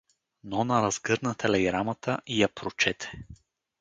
Нона разгърна телеграмата и я прочете.